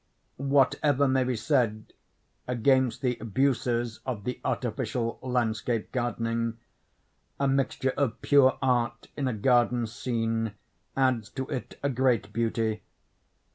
Whatever may be said against the abuses of the artificial landscape gardening, a mixture of pure art in a garden scene adds to it a great beauty.